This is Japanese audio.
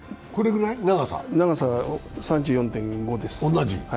長さ、３４．５です。